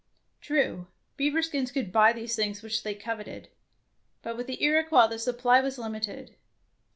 True, beaver skins could buy these things which they coveted, but with the Iroquois the supply was limited.